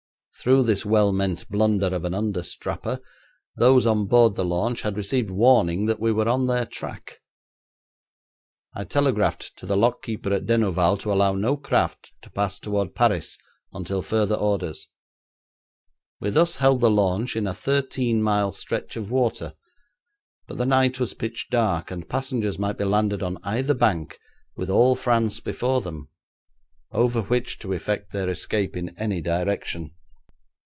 Through this well meant blunder of an understrapper those on board the launch had received warning that we were on their track. I telegraphed to the lock keeper at Denouval to allow no craft to pass toward Paris until further orders. We thus held the launch in a thirteen mile stretch of water, but the night was pitch dark, and passengers might be landed on either bank with all France before them, over which to effect their escape in any direction.